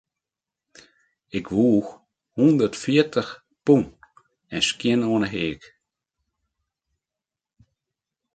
Ik woech hûndertfjirtich pûn skjin oan 'e heak.